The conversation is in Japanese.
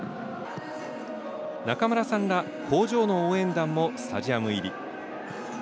中村さんら工場の応援団もスタジアム入り。